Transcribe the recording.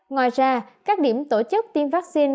ngoài ra các điểm tổ chức tiêm vaccine